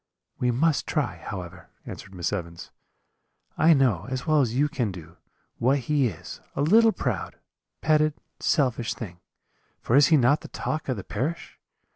"'We must try, however,' answered Miss Evans; 'I know, as well as you can do, what he is, a little proud, petted, selfish thing: for is he not the talk of the parish?